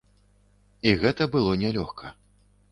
І гэта было нялёгка.